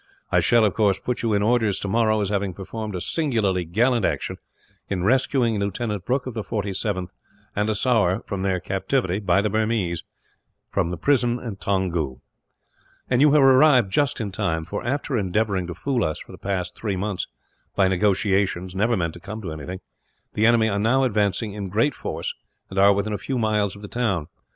I shall, of course, put you in orders tomorrow as having performed a singularly gallant action, in rescuing Lieutenant Brooke of the 47th and a sowar from their captivity, by the Burmese, in a prison at Toungoo. "You have arrived just in time for, after endeavouring to fool us for the past three months, by negotiations never meant to come to anything, the enemy are now advancing in great force, and are within a few miles of the town.